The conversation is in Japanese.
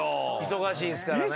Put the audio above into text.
忙しいですからね。